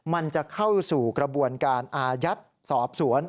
มันจะเข้าสู่กระบวนการอายัดสอบสวน